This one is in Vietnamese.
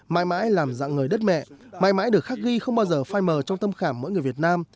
mãi mãi làm dạng người đất mẹ mãi mãi được khắc ghi không bao giờ phai mờ trong tâm khảm mỗi người việt nam